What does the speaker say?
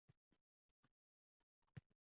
U yerda shirin va tiniq suvlar mo‘l bo‘ladi